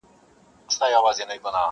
څه پروا که مي په ژوند کي یا خندلي یا ژړلي،